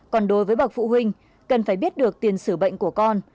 còn đối với bậc phụ huynh cần phải biết được tiền xử bệnh của con